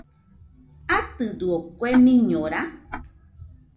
¿Atɨdo kue miñora?